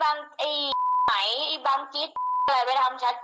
ถ้ายังไม่จบนะคืนนี้นะเดี๋ยวมึงเจอกูอีก